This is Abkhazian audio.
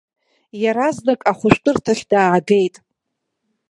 Иаразнак ахәышәтәыраҭахь даагеит.